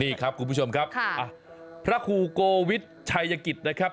นี่ครับคุณผู้ชมครับพระครูโกวิทชัยกิจนะครับ